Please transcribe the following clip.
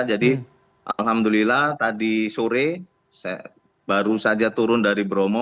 jadi alhamdulillah tadi sore baru saja turun dari bromo